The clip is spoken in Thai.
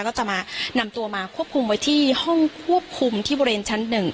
ก็จะมานำตัวมาควบคุมไว้ที่ห้องควบคุมที่บริเวณชั้น๑